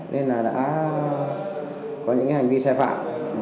nên là đã có những hành vi xe phạm